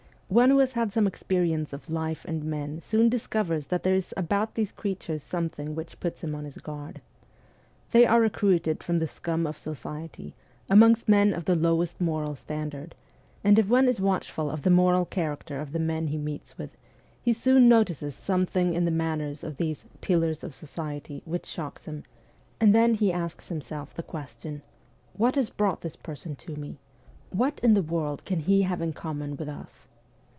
One who has had some experience of life and men soon discovers that there is about these creatures something which puts him on his guard. They are recruited from the scum of society, amongst men of the lowest moral standard, and if one is watchful of the moral character of the men he meets with, he soon notices something 286 MEMOIRS OF A REVOLUTIONIST in the manners of these ' pillars of society ' which shocks him, and then he asks himself the question :' What has brought this person to me ? What in the world can he have in common with us